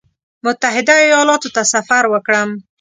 متحده ایالاتو ته سفر وکړم.